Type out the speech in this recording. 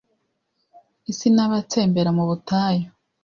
l sinabatsembera mu butayu